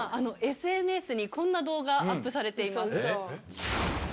ＳＮＳにこんな動画アップされています。